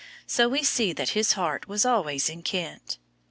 So we see that his heart was always in Kent.